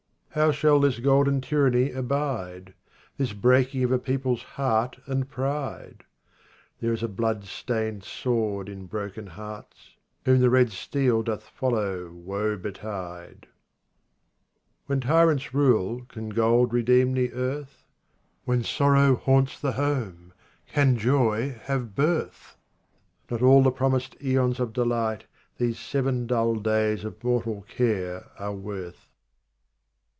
33 How shall this golden tyranny abide ? This breaking of a people's heart and pride ? There is a bloodstained sword in broken hearts ; Whom the red steel doth follow woe betide ! 34 When tyrants rule can gold redeem the earth ? When sorrow haunts the home can joy have birth ? Not all the promised aeons of delight These seven dull days of mortal care are worth.